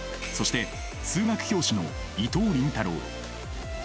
そして数学教師の伊藤倫太郎。